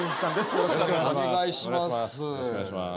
よろしくお願いします